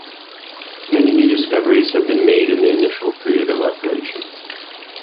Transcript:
Many new discoveries have been made in the initial period of operation.